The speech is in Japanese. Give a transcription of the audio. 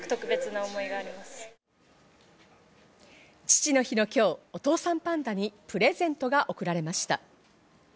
父の日の今日、お父さんパンダにプレゼントが贈られました。